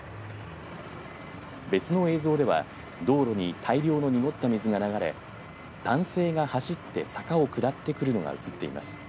別の映像では道路に大量の濁った水が流れ男性が走って坂を下ってくるのが映っています。